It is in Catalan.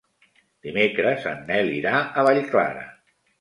Dimecres en Nel irà a Vallclara.